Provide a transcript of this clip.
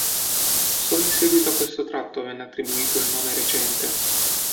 Solo in seguito a questo tratto venne attribuito il nome recente.